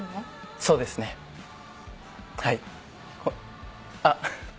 そうですねはい。